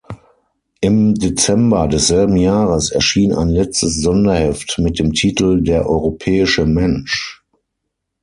Im Dezember desselben Jahres erschien ein letztes Sonderheft mit dem Titel "Der europäische Mensch".